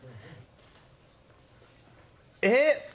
えっ！